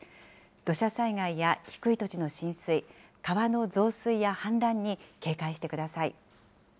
土砂災害や低い土地の浸水、川の増水や氾濫に警戒してください。